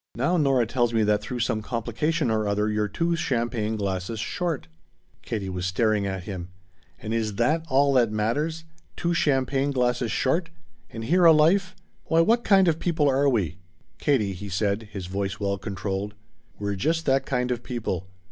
Now Nora tells me that through some complication or other you're two champagne glasses short." Katie was staring at him. "And is that all that matters? Two champagne glasses short! And here a life Why what kind of people are we?" "Katie," he said, his voice well controlled, "we're just that kind of people.